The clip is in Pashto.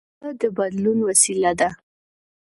ژبه د بدلون وسیله ده.